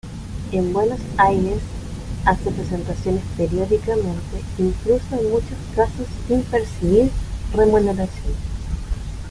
En Buenos Aires hace presentaciones periódicamente, incluso en muchos casos sin percibir remuneración.